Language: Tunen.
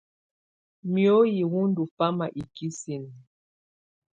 Mùoyi wɔ ndɔ fama ikisinǝ.